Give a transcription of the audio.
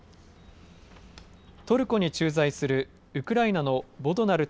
トルコに駐在するウクライナのボドナル